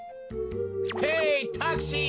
ヘイタクシー！